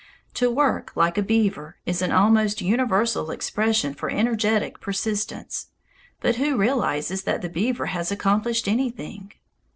To "work like a beaver" is an almost universal expression for energetic persistence, but who realizes that the beaver has accomplished anything?